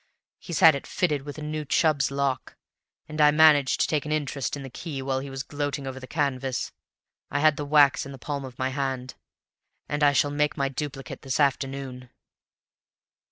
But he's had it fitted with a new Chubb's lock, and I managed to take an interest in the key while he was gloating over the canvas. I had the wax in the palm of my hand, and I shall make my duplicate this afternoon."